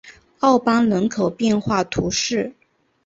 奥班人口变化图示